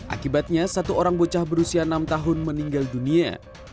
akibatnya satu orang bocah berusia enam tahun meninggal dunia